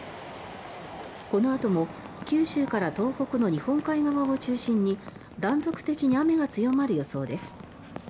このあとも九州から東北の日本海側を中心に断続的に雨が強まる予想です。